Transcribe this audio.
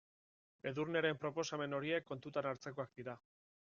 Edurneren proposamen horiek kontuan hartzekoak dira.